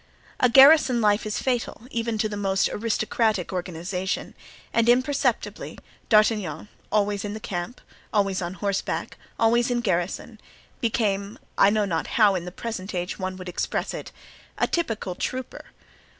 A garrison life is fatal even to the most aristocratic organization; and imperceptibly, D'Artagnan, always in the camp, always on horseback, always in garrison, became (I know not how in the present age one would express it) a typical trooper.